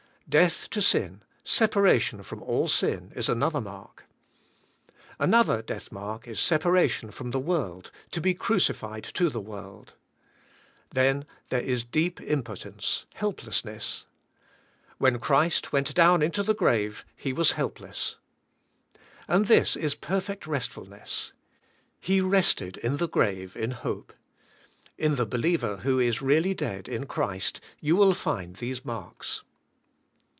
Death to sin, separation from all sin, is another mark. Another death mark is separation from the world, to be crucified to the world. Then there is YlKl.r> YOURSElyVKS UNTO GOD. 201 deep impotence, helplessness. When Christ went down into the grave He was helpless. And this is perfect restf ulness. He rested in the grave in hope. In the believer who is really dead in Christ you will find these marks.